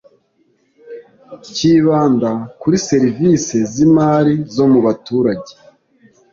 kibanda kuri serivisi z imari zo mubaturage